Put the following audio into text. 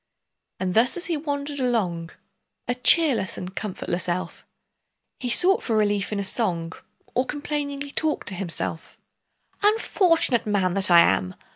And thus as he wandered along, A cheerless and comfortless elf, He sought for relief in a song, Or complainingly talked to himself:— "Unfortunate man that I am!